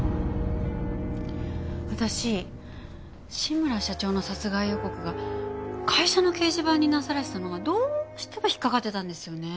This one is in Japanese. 私志村社長の殺害予告が会社の掲示板になされてたのがどうしても引っかかってたんですよね。